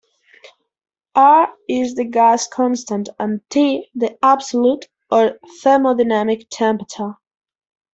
"R" is the gas constant and "T" the absolute or thermodynamic temperature.